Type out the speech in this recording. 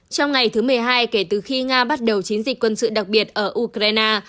trong ngày thứ một mươi hai kể từ khi nga bắt đầu chiến dịch quân sự đặc biệt ở ukraine